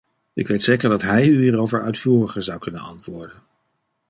Ik weet zeker dat hij u hierover uitvoeriger zou kunnen antwoorden.